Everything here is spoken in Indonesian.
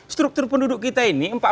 struktur penduduk kita ini